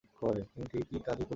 তুমি ঠিক কাজই করেছো।